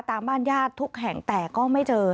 ตามบ้านญาติทุกแห่งแต่ก็ไม่เจอ